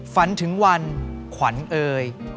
ฝันถึงวันขวัญเอ่ย